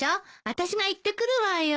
あたしが行ってくるわよ。